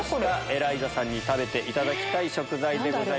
エライザさんに食べていただきたい食材です。